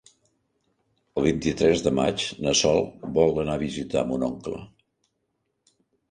El vint-i-tres de maig na Sol vol anar a visitar mon oncle.